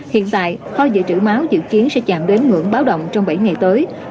hiện tại kho dự trữ máu dự kiến sẽ chạm đến ngưỡng báo động trong bảy ngày tới